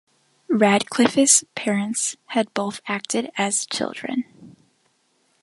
Radcliffe's parents had both acted as children.